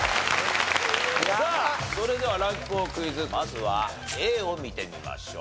さあそれではランク４クイズまずはＡを見てみましょう。